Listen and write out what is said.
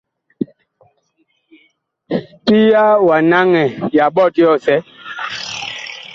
Pia wa naŋɛ ya ɓɔt yɔsɛ.